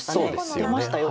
出ましたよ。